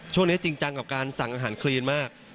จริงจังกับการสั่งอาหารคลีนมาก